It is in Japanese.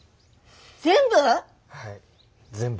全部？